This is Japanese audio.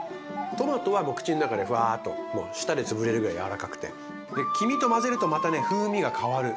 トマトは口の中でふわっと舌でつぶれるぐらい柔らかくて黄身と混ぜるとまたね風味が変わる。